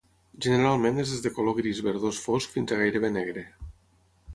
Generalment és des de color gris verdós fosc fins a gairebé negre.